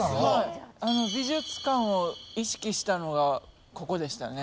美術館を意識したのがここでしたね。